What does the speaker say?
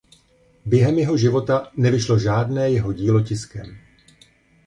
Během jeho života nevyšlo žádné jeho dílo tiskem.